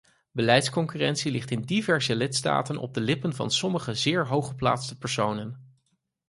Beleidsconcurrentie ligt in diverse lidstaten op de lippen van sommige zeer hooggeplaatste personen.